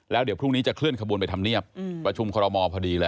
แล้วเดี๋ยวพรุ่งนี้จะเคลื่อนขบวนไปทำเนียบประชุมคอรมอลพอดีเลย